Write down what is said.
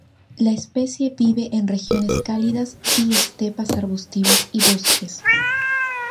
La especie vive en regiones cálidas y estepas arbustivas y bosques.